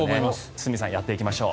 堤さん、やっていきましょう。